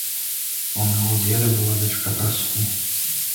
А ў майго дзеда была дачка красуня.